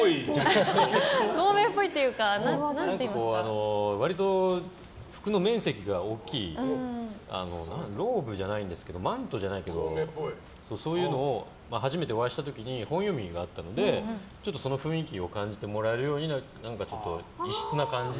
孔明っぽいというか割と服の面積が大きいローブじゃないんですけどマントじゃないけどそういうのを初めてお会いした時に本読みがあったのでちょっと、その雰囲気を感じてもらえるように異質な感じ。